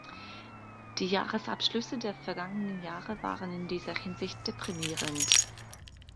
Die Jahresabschlüsse der vergangenen Jahre waren in dieser Hinsicht deprimierend.